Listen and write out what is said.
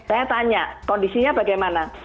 saya tanya kondisinya bagaimana